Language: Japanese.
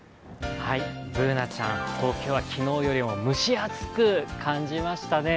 Ｂｏｏｎａちゃん、東京は昨日より蒸し暑く感じましたね。